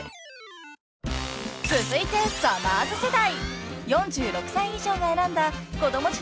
［続いてさまぁず世代］